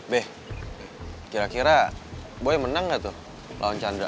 be kira kira boya menang gak tuh lawan chandra